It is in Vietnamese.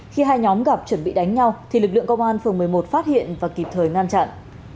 khi hai nhóm gặp chuẩn bị đánh nhau thì lực lượng công an phường một mươi một phát hiện và kịp thời ngăn chặn